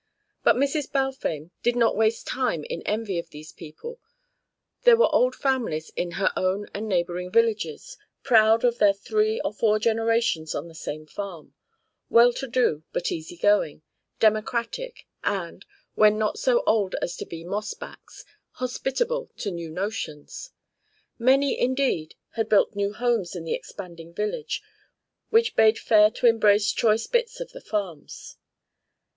But Mrs. Balfame did not waste time in envy of these people; there were old families in her own and neighbouring villages, proud of their three or four generations on the same farm, well to do but easy going, democratic and, when not so old as to be "moss backs," hospitable to new notions. Many, indeed, had built new homes in the expanding village, which bade fair to embrace choice bits of the farms.